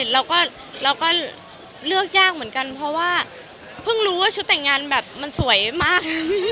เราก็เลือกยากเหมือนกันเพราะว่าเพิ่งรู้ว่าชุดแต่งงานแบบมันสวยมาก